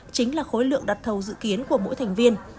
chính là khối lượng đặt thầu dự kiến của mỗi thành viên